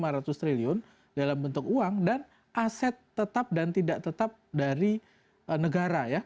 rp lima ratus triliun dalam bentuk uang dan aset tetap dan tidak tetap dari negara ya